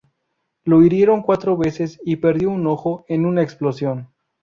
Lo hirieron cuatro veces y perdió un ojo en una explosión.